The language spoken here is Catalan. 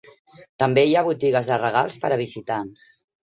També hi ha botigues de regals per a visitants.